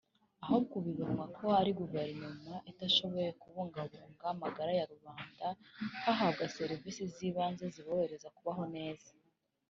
ahubwo bibonwa ko ari guverinoma itarashoboye kubugambunga amagara ya rubanda bahabwa serivisi z’ibanze ziborohereza kubaho neza